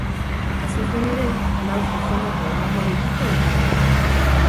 Hain zuzen ere, lau zuzeneko emango dituzte elkarrekin.